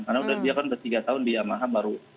karena dia kan udah bertiga tahun di yamaha baru